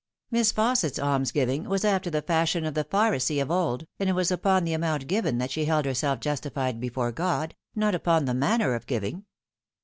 Miss Fausset's almsgiving was after the fashion of the Pharisee of old, and it was upon the amount given that she held herself justified before God, not upon the manner of giving.